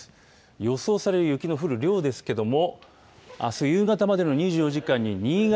予想される雪の降る量ですけども、あす夕方までの２４時間に新潟、